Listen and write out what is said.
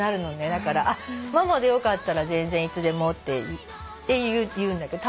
だからママでよかったら全然いつでもって言うんだけど。